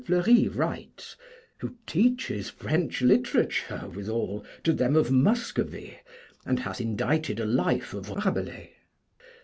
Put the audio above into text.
Fleury writes, who teaches French literature withal to them of Muscovy, and hath indited a Life of Rabelais.